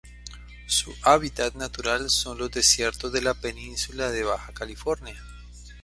Su hábitat natural son los desiertos de la península de Baja California.